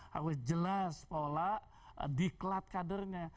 harus jelas pola diklat kadernya